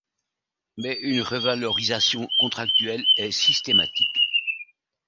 Mais une revalorisation contractuelle est systématique.